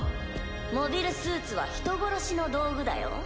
モビルスーツは人殺しの道具だよ？